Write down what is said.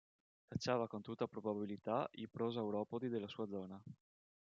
Cacciava con tutta probabilità i Prosauropodi della sua zona.